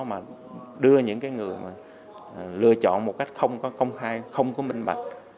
mà đưa những cái người mà lựa chọn một cách không có công khai không có minh bạch